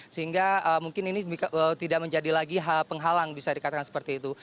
sehingga mungkin ini tidak menjadi lagi penghalang bisa dikatakan seperti itu